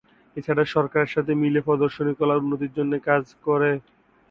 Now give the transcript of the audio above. এছাড়া সরকারের সাথে মিলে প্রদর্শনী কলার উন্নতির জন্য কাজ করে।